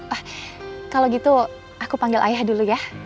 ah kalau gitu aku panggil ayah dulu ya